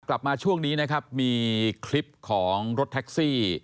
กลับมาช่วงนี้นะครับมีคลิปของรถแท็กซี่